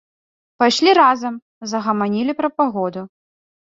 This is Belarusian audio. Пайшлі разам, загаманілі пра пагоду.